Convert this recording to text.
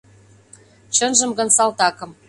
Чынжым гын — салтакым.